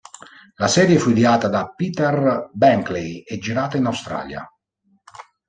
La serie fu ideata da Peter Benchley e girata in Australia.